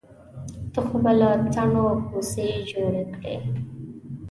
ته خو به له څڼو کوڅۍ جوړې کړې.